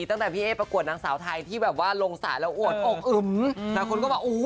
ตั้งแต่พี่เอ๊ประกวดนางสาวไทยที่แบบว่าลงสายแล้วอวดอกอึมหลายคนก็บอกอู้